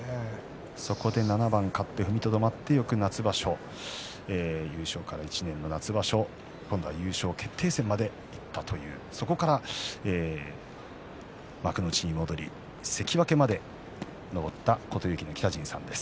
そこで７番勝って踏みとどまって翌夏場所は優勝から１年の夏場所今度は優勝決定戦までいったそこから幕内に戻り関脇まで上った琴勇輝の北陣さんです。